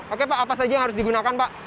oke pak apa saja yang harus digunakan pak